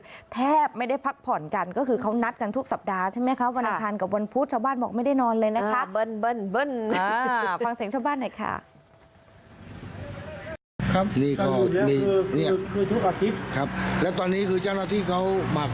แทบไม่ได้พักผ่อนกันก็คือเขานัดกันทุกสัปดาห์ใช่ไหมคะวันอังคารกับวันพุธชาวบ้านบอกไม่ได้นอนเลยนะคะ